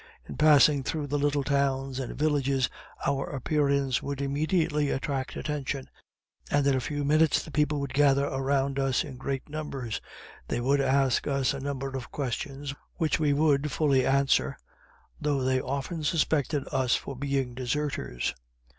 In passing through the little towns and villages our appearance would immediately attract attention, and in a few minutes the people would gather around us in great numbers; they would ask us a number of questions, which we would fully answer, though they often suspected us for being deserters.